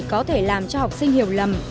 có thể làm cho học sinh hiểu lầm